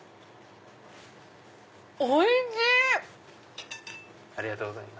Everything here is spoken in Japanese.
おいしい！